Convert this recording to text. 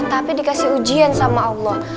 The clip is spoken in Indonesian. tapi dikasih ujian sama allah